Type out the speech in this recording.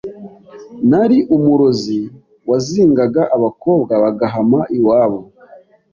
Nari umurozi wazingaga abakobwa bagahama iwabo